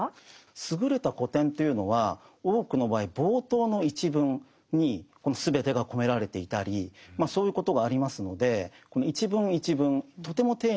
優れた古典というのは多くの場合冒頭の一文に全てが込められていたりそういうことがありますのでこの一文一文とても丁寧に読んでいくことが必要だと思います。